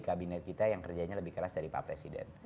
kabinet kita yang kerjanya lebih keras dari pak presiden